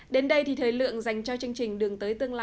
đến đây thì thời lượng dành cho chương trình đưa tới tầng ba